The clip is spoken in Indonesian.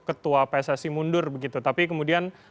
ketua pssi mundur begitu tapi kemudian